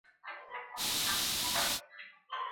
د ماشوم د خوراک پر مهال سمې ناستې ته پام وکړئ.